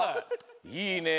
いいねえ。